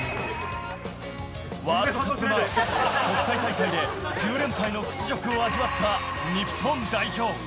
ワールドカップ前、国際大会で１０連敗の屈辱を味わった日本代表。